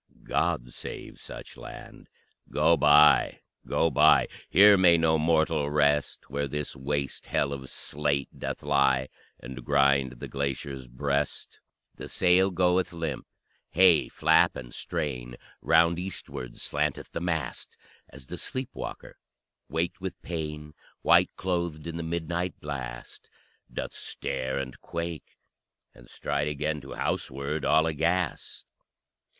God save such land! Go by, go by: Here may no mortal rest, Where this waste hell of slate doth lie And grind the glacier's breast._ The sail goeth limp: hey, flap and strain! Round eastward slanteth the mast; As the sleep walker waked with pain, White clothed in the midnight blast, Doth stare and quake, and stride again To houseward all aghast.